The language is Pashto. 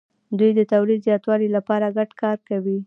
دوی د تولید د زیاتوالي لپاره ګډ کار کوي.